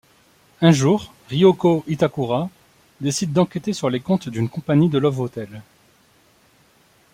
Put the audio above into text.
Un jour, Ryōko Itakura décide d'enquêter sur les comptes d'une compagnie de Love hotel...